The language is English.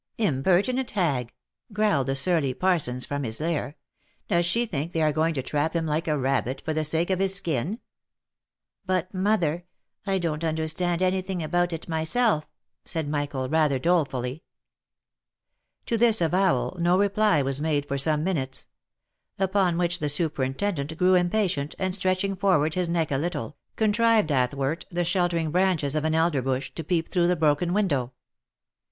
" Impertinent hag !" growled the surly Parsons from his lair. " Does she think they are going to trap him like a rabbit, for the sake of his skin ?"" But, mother, I don't understand any thing about it myself," said Michael, rather dolefully. To this avowal, no reply was made for some minutes; upon which the superintendent grew impatient, and stretching forward his neck a little, contrived athwart the sheltering branches of an elder bush, to peep through the broken window.